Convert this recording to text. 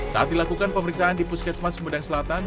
saat dilakukan pemeriksaan di puskesmas sumedang selatan